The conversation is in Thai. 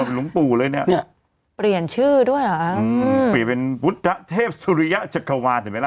หลวงปู่เลยเนี้ยเนี้ยเปลี่ยนชื่อด้วยเหรออืมเปลี่ยนเป็นวุฒิเทพสุริยะจักรวาลเห็นไหมล่ะ